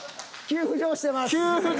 急浮上してます。